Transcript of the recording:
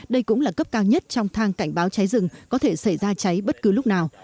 đây cũng là cấp cao nhất trong thang cảnh báo cháy rừng có thể xảy ra cháy bất cứ lúc nào